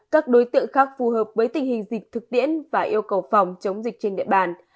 các đối tượng khác phù hợp với tình hình dịch thực tiễn và yêu cầu phòng chống dịch trên địa bàn